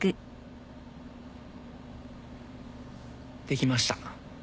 できました。